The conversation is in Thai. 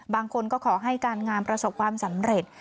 บางคนก็ขอให้การงานประสบความสำเร็จ